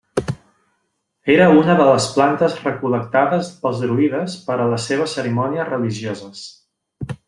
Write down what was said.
Era una de les plantes recol·lectades pels druides per a les seves cerimònies religioses.